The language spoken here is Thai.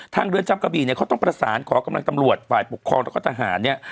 เรือนจำกระบีเนี่ยเขาต้องประสานขอกำลังตำรวจฝ่ายปกครองแล้วก็ทหารเนี่ย